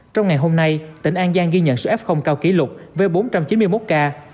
trong ngày hôm nay tỉnh an giang ghi nhận sự f cao kỷ lục với bốn trăm chín mươi một ca